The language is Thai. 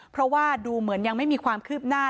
เพราะว่าดูเหมือนยังไม่มีความคืบหน้า